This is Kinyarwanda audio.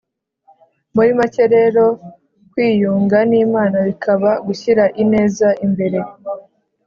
muri make rero, kwiyunga n’imana bikaba gushyira ineza imbere